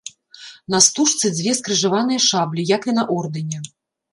На стужцы дзве скрыжаваныя шаблі, як і на ордэне.